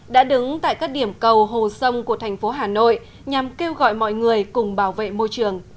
đã đứng tại các điểm cầu hồ sông của thành phố hà nội nhằm kêu gọi mọi người cùng bảo vệ môi trường